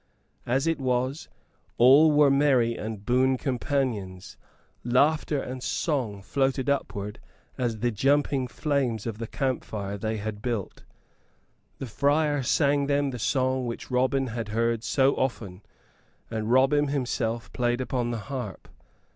As it was, all were merry and boon companions. Laughter and song floated upward as the jumping flames of the camp fire they had built. The friar sang them the song which Robin had heard so often, and Robin himself played upon the harp.